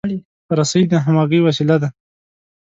رسۍ د همغږۍ وسیله ده.